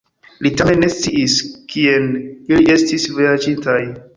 Li tamen ne sciis, kien ili estis vojaĝintaj.